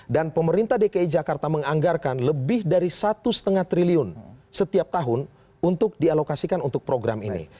dan pemerintah dki jakarta menganggarkan lebih dari rp satu lima triliun setiap tahun untuk dialokasikan untuk program ini